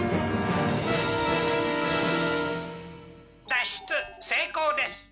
脱出成功です。